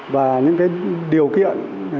và những điều kiện